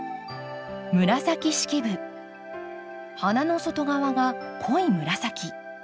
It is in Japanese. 花の外側が濃い紫。